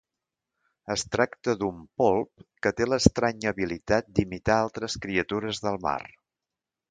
Es tracta d'un polp que té l'estranya habilitat d'imitar a altres criatures del mar.